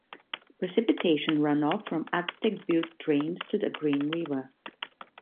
Precipitation runoff from Aztec Butte drains to the Green River.